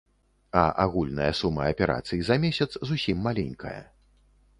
А агульная сума аперацый за месяц зусім маленькая.